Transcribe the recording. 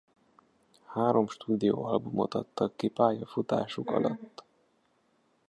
Három stúdióalbumot adtak ki pályafutásuk alatt.